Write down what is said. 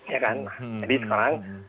ya kan jadi sekarang